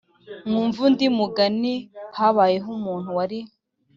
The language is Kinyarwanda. Mwumve undi mugani Habayeho umuntu wari